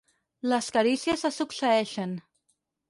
Les carícies se succeeixen.